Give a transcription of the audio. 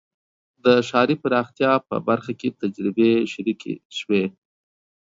د ښاري پراختیا په برخه کې تجربې شریکې شوې.